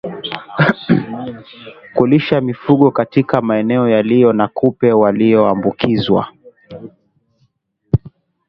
Kulisha mifugo katika maeneo yaliyo na kupe walioambukizwa